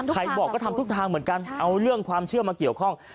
ใครบอกก็ทำทุกทางเหมือนกันเอาเรื่องความเชื่อมาเกี่ยวข้อง